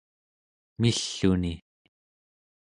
mill'uni